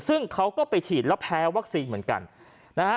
ซึ่งเขาก็ไปฉีดแล้วแพ้วัคซีนเหมือนกันนะฮะ